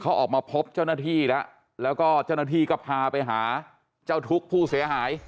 เขาออกมาพบเจ้าหน้าที่แล้วแล้วก็เจ้าหน้าที่ก็พาไปหาเจ้าทุกข์ผู้เสียหาย